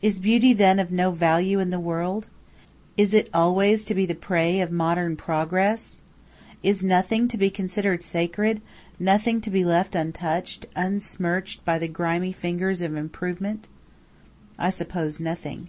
Is beauty then of no value in the world? Is it always to be the prey of modern progress? Is nothing to be considered sacred; nothing to be left untouched, unsmirched by the grimy fingers of improvement? I suppose nothing.